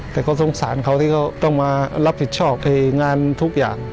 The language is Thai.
แต่เค้าสงสารเค้าต้องรับผิดชอบเพียงงานทุกอย่าง